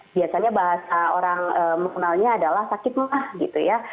biasanya bahasa orang mukenalnya adalah sakit mah gitu ya